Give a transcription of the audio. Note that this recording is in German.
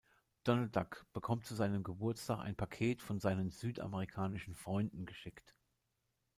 Donald Duck bekommt zu seinem Geburtstag ein Paket von seinen „südamerikanischen Freunden“ geschickt.